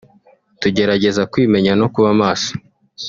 tugerageza kwimenya no kuba maso